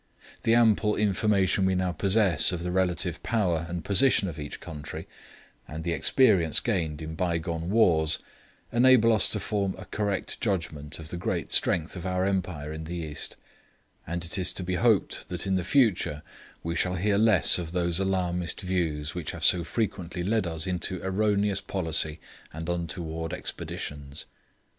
The ample information we now possess of the relative power and position of each country, and the experience gained in bygone wars, enable us to form a correct judgment of the great strength of our Empire in the East; and it is to be hoped that in the future we shall hear less of those alarmist views which have so frequently led us into erroneous policy and untoward expeditions.